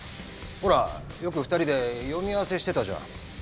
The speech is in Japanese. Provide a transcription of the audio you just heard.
ほらよく２人で読み合わせしてたじゃん。